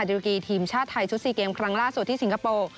ริกีทีมชาติไทยชุด๔เกมครั้งล่าสุดที่สิงคโปร์